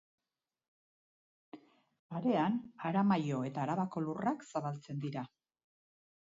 Parean Aramaio eta Arabako lurrak zabaltzen dira.